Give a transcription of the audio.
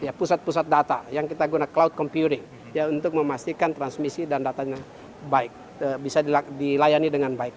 dan data pusat pusat data yang kita guna cloud computing untuk memastikan transmisi dan datanya baik bisa dilayani dengan baik